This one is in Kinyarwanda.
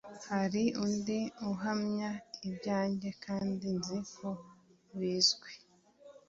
hari undi uhamya ibyanjye kandi nzi ko bizwi